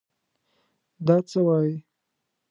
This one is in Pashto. دا څه وايې!